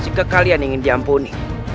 jika kalian ingin diampuni